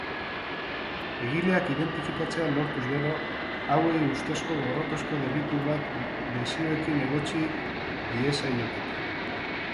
Egileak identifikatzea lortuz gero, hauei ustezko gorrotozko delitu bat lesioekin egotzi diezaiokete.